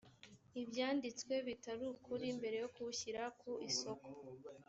ibyanditse bitari ukuri mbere yo kuwushyira ku isoko